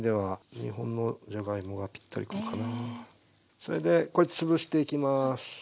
それでこれ潰していきます。